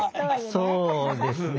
そうですね。